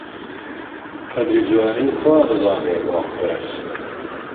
قەدری جوانی کوا دەزانێ ماڵپەرست!